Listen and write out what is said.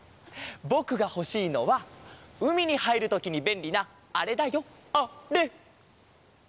ぼくがほしいのはうみにはいるときにべんりなあれだよあれ！